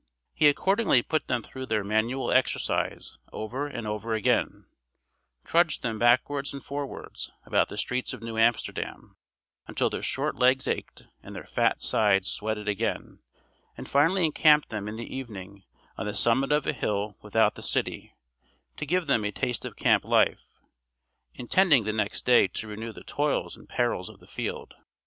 He accordingly put them through their manual exercise over and over again, trudged them backwards and forwards about the streets of New Amsterdam, until their short legs ached and their fat sides sweated again, and finally encamped them in the evening on the summit of a hill without the city, to give them a taste of camp life, intending the next day to renew the toils and perils of the field.